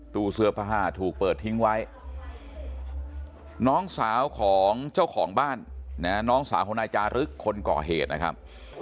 เสื้อผ้าถูกเปิดทิ้งไว้น้องสาวของเจ้าของบ้านนะน้องสาวของนายจารึกคนก่อเหตุนะครับ